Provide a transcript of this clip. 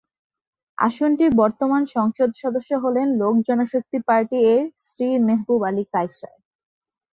আসনটির বর্তমান সংসদ সদস্য হলেন লোক জনশক্তি পার্টি-এর শ্রী মেহবুব আলী কায়সার।